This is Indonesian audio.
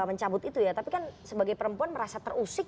mencabut itu ya tapi kan sebagai perempuan merasa terusik